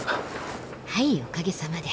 はいおかげさまで。